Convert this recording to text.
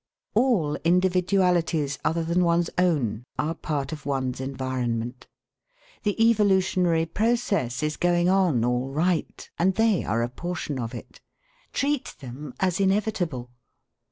All individualities, other than one's own, are part of one's environment. The evolutionary process is going on all right, and they are a portion of it. Treat them as inevitable.